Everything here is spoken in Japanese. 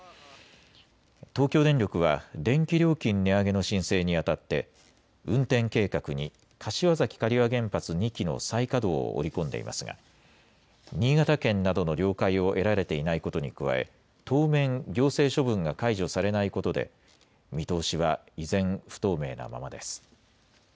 東京電力は電気料金値上げの申請にあたって運転計画に柏崎刈羽原発２基の再稼働を織り込んでいますが新潟県などの了解を得られていないことに加え当面行政処分が解除されないことで見通しは依然不透明なままです。